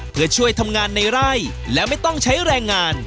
เพื่อช่วยทำงานในไร่และไม่ต้องใช้แรงงาน